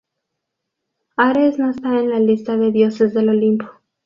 Ares no está en la lista de Dioses del Olimpo.